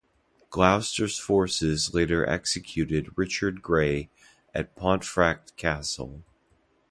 Gloucester's forces later executed Richard Grey at Pontefract Castle.